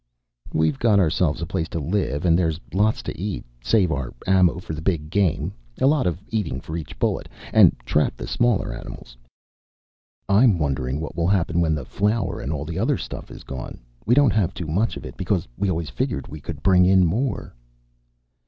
"We've got ourselves a place to live and there's lots to eat. Save our ammo for the big game a lot of eating for each bullet and trap the smaller animals." "I'm wondering what will happen when the flour and all the other stuff is gone. We don't have too much of it because we always figured we could bring in more."